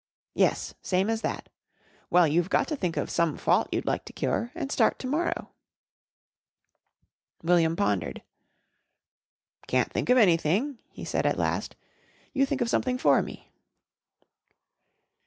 "Yes, same as that. Well, you've got to think of some fault you'd like to cure and start to morrow." William pondered. "Can't think of anything," he said at last. "You think of something for me."